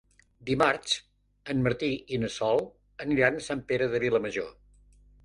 Dimarts en Martí i na Sol aniran a Sant Pere de Vilamajor.